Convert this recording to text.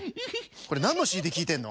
これなんのＣＤきいてんの？